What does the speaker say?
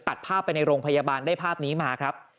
ตัดภาพไปในโรงพยาบาลได้ภาพนี้มาครับ